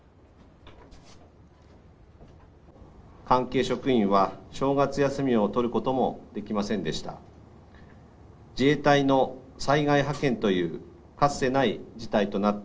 関係職員は正月休みを取ることもできませんでした。